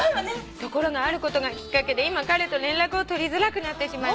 ところがあることがきっかけで今彼と連絡を取りづらくなってしまいました」